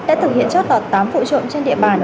đã thực hiện cho tọt tám vụ trộm trên địa bàn